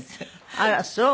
あらそう？